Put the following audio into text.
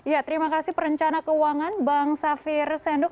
ya terima kasih perencana keuangan bang safir senduk